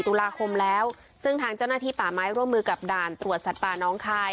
ตุลาคมแล้วซึ่งทางเจ้าหน้าที่ป่าไม้ร่วมมือกับด่านตรวจสัตว์ป่าน้องคาย